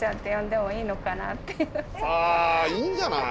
あいいんじゃない？